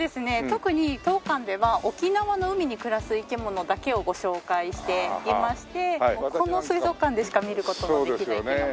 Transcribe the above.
特に当館では沖縄の海に暮らす生き物だけをご紹介していましてこの水族館でしか見る事のできない生き物も多いですね。